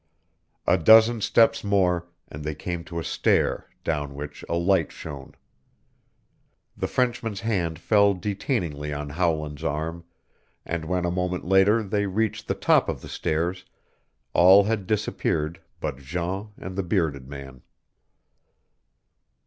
A dozen steps more and they came to a stair down which a light shone. The Frenchman's hand fell detainingly on Howland's arm, and when a moment later they reached the top of the stairs all had disappeared but Jean and the bearded man.